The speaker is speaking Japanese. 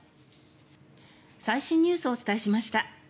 最新ニュースをお伝えしました。